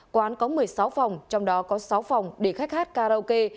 quán có một mươi sáu phòng trong đó có sáu phòng để khách hát karaoke